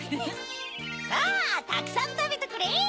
さぁたくさんたべてくれ！